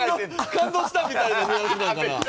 「感動した」みたいなニュアンスなんかな？